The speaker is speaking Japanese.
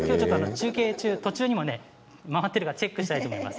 中継中の途中にも回っているかチェックしたいと思います。